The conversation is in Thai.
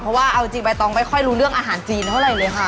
เพราะว่าเอาจริงใบตองไม่ค่อยรู้เรื่องอาหารจีนเท่าไหร่เลยค่ะ